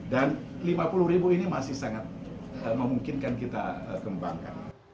dan rp lima puluh ini masih sangat memungkinkan kita kembangkan